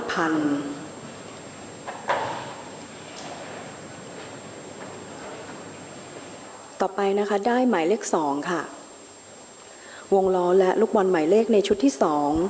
ต่อไปนะคะได้หมายเลขสองค่ะวงล้อและลูกบอลหมายเลขในชุดที่สอง